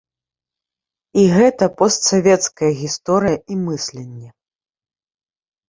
І гэта постсавецкая гісторыя і мысленне.